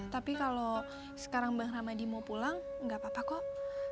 tapi kalau sekarang bang ramadi mau pulang nggak apa apa kok